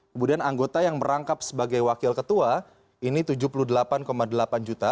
kemudian anggota yang merangkap sebagai wakil ketua ini tujuh puluh delapan delapan juta